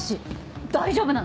大丈夫なの？